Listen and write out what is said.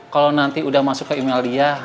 kalau nanti udah masuk ke email dia